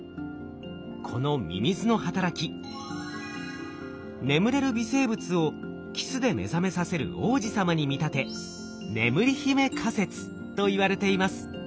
このミミズの働き眠れる微生物をキスで目覚めさせる王子様に見立て「眠り姫仮説」といわれています。